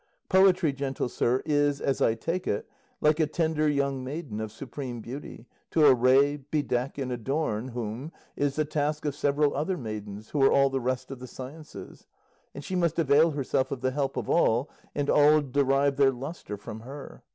Poetry, gentle sir, is, as I take it, like a tender young maiden of supreme beauty, to array, bedeck, and adorn whom is the task of several other maidens, who are all the rest of the sciences; and she must avail herself of the help of all, and all derive their lustre from her.